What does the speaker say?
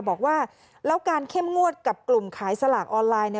บอกว่าแล้วการเข้มงวดกับกลุ่มขายสลากออนไลน์